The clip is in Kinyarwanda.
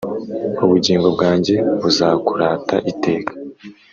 ubugingo bwanjye buzakurata iteka